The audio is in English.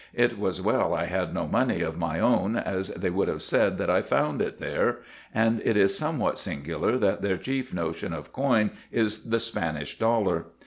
It was well I had no money of my own, as they would have said that I found it there ; and it is some what singular that their chief notion of coin is the Spanish dollar.